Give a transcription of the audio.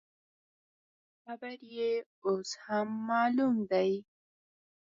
قبر یې اوس هم معلوم دی.